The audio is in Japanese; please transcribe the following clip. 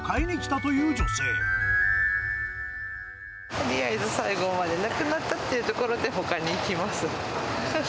とりあえず最後まで、なくなったっていうところで、ほかに行きます。